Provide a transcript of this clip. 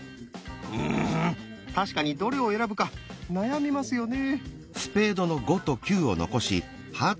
うん確かにどれを選ぶか悩みますよね。